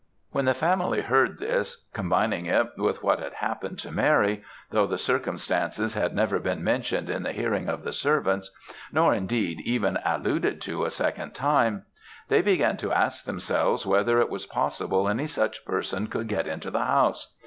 "When the family heard this, combining it with what had happened to Mary though the circumstance had never been mentioned in the hearing of the servants; nor, indeed, even alluded to a second time they began to ask themselves whether it was possible any such person could get into the house?